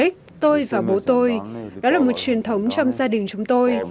hay master polic tôi và bố tôi đó là một truyền thống trong gia đình chúng tôi